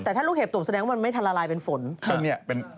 แต่ถ้าลูกเห็บตกแสดงว่ามันไม่ทันละลายเป็นฝน